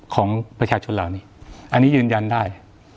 ของประชาชนเหล่านี้อันนี้ยืนยันได้